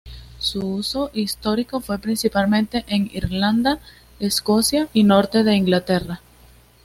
Su uso histórico fue principalmente en Irlanda, Escocia y Norte de Inglaterra.